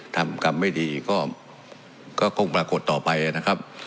ทำกรรมไม่ดีก็คงปรากฏต่อไปนะครับ